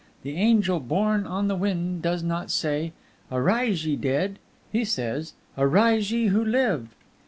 The angel borne on the Wind does not say: "Arise, ye dead"; he says, "Arise, ye who live!"